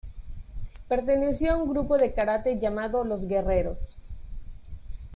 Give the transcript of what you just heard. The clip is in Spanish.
Perteneció a un grupo de karate llamado "Los Guerreros".